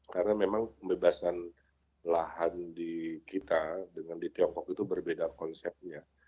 karena memang pembebasan lahan di kita dengan di tiongkok itu berbeda konsepnya